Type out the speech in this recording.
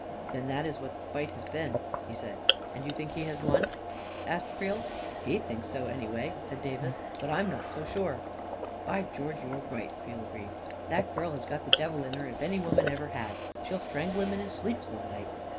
" Then that is what the fight has been," he said. " And you think he has won? " asked Creel. "He thinks so, anyway," said Davis. " But I'm not so sure." " By George, you're right !" Creel agreed. " That girl has got the devil in her if any woman ever had I She'll strangle him in his sleep some night!"